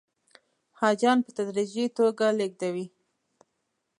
حاجیان په تدریجي توګه لېږدوي.